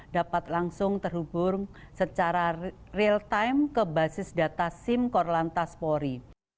dapat langsung terhubung secara real time ke basis data sim korlantas polri